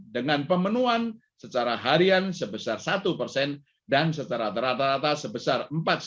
dengan pemenuhan secara harian sebesar satu persen dan setara rata rata sebesar empat sembilan